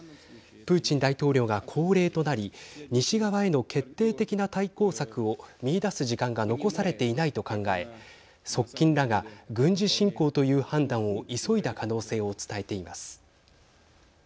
プーチン大統領が高齢となり西側への決定的な対抗策を見いだす時間が残されていないと考え側近らが軍事侵攻という判断を急いだ可能性を伝えています。